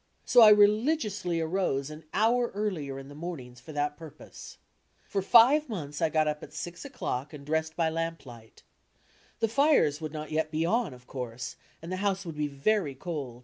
So I reli giously arose an hour earlier in the mornings for that pur pose. For five months I got up at six o'colock and dressed by lamplight. The fires would not yet be on, of course, and the house would be very cold.